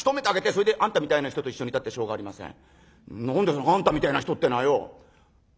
その『あんたみたいな人』ってのはよ。